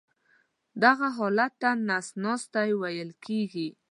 دغه حالت ته نس ناستی ویل کېږي.